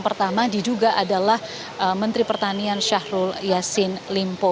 pertama dia juga adalah menteri pertanian syahrul yassin limpo